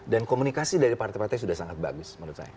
dan komunikasi dari partai partai sudah sangat bagus menurut saya